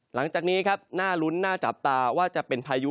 หลังจากนี้ครับน่าลุ้นน่าจับตาว่าจะเป็นพายุ